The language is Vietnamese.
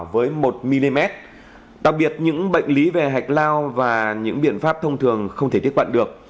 với một mm đặc biệt những bệnh lý về hạch lao và những biện pháp thông thường không thể tiếp cận được